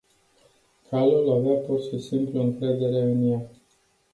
Calul avea pur și simplu încredere în ea.